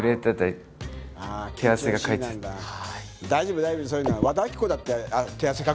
大丈夫大丈夫そういうのは。